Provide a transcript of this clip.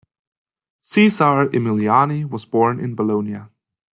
Cesare Emiliani was born in Bologna.